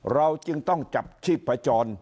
เราจึงต้องจับชีพจร